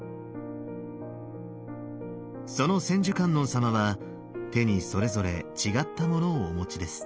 その千手観音様は手にそれぞれ違ったものをお持ちです。